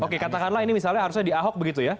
oke katakanlah ini misalnya harusnya di ahok begitu ya